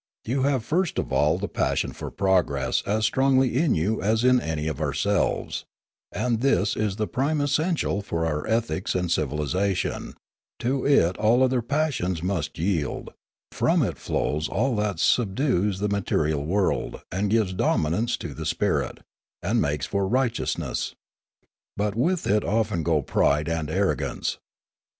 You have first of all the passion for progress as strongly in you as in any of ourselves; and this is the prime essential of our ethics and civilisation; to it all other passions must yield; from it flows all that subdues the material world and gives dominance to the spirit, and makes for righteousness. But with it often go pride and arro gance.